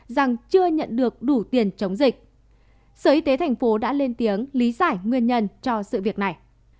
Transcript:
rằng chưa nhận được đủ tiền chống dịch sở y tế thành phố đã lên tiếng lý giải nguyên nhân cho sự việc này